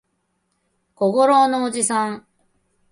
小五郎のおじさん